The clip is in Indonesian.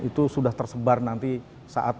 itu sudah tersebar nanti saat